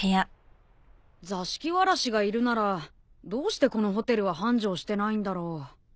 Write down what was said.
座敷童がいるならどうしてこのホテルは繁盛してないんだろ？